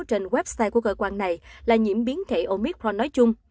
các nhà nghiên cứu trên website của cơ quan này là nhiễm biến thể omicron nói chung